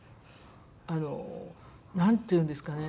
あのなんていうんですかね